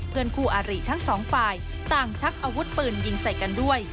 เพื่อนคู่อาริทั้งสองฝ่ายต่างชักอาวุธปืนยิงใส่กันด้วย